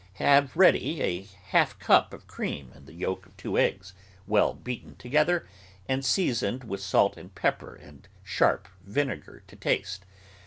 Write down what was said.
Have ready a half cup of cream and the yolk of two eggs, well beaten to gether, and seasoned with salt and pepper and sharp vinegar to taste.